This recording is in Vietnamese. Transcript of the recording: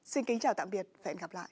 xin kính chào tạm biệt và hẹn gặp lại